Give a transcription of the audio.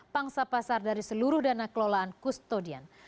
pangsa pasar dari seluruh dana kelolaan kustodian